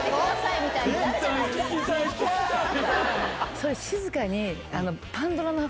それ静かに。